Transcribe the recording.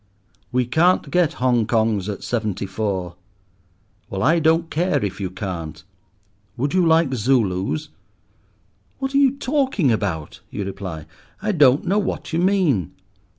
"We can't get Hong Kongs at seventy four." "Well, I don't care if you can't." "Would you like Zulus?" "What are you talking about?" you reply; "I don't know what you mean."